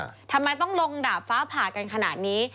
ทำไมต้องลงดาบฟ้าผ่ากันขนาดนี้